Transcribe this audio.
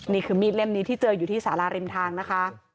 นี่คือมีดเล่มนี้ที่เจออยู่ที่สาราริมทางนะคะ